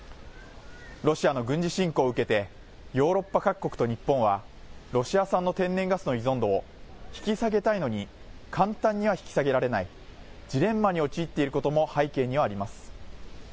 ロシアの軍事侵攻を受けて、ヨーロッパ各国と日本はロシア産の天然ガスの依存度を引き下げたいのに、簡単には引き下げられないジレンマに陥っていることも背景にはあります。